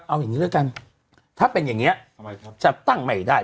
เอาอย่างงี้ด้วยกันถ้าเป็นอย่างเงี้ยทำไมครับจับตั้งไม่ได้